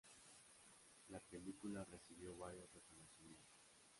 La película recibió varios reconocimientos.